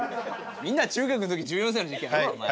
みんな中学の時１４歳の時期あるわお前。